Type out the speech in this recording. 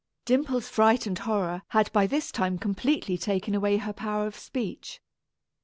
Dimple's fright and horror had by this time completely taken away her power of speech.